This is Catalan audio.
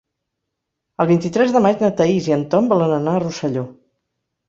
El vint-i-tres de maig na Thaís i en Tom volen anar a Rosselló.